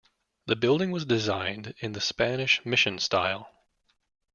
The building was designed in the Spanish Mission style.